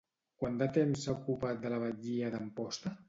Quant de temps s'ha ocupat de la batllia d'Amposta?